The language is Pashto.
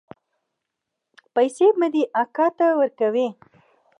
پيسې به دې اکا ته ورکوې.